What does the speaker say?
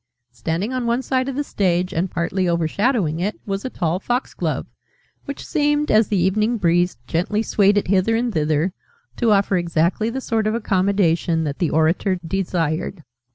Standing on one side of the stage, and partly overshadowing it, was a tall foxglove, which seemed, as the evening breeze gently swayed it hither and thither, to offer exactly the sort of accommodation that the orator desired.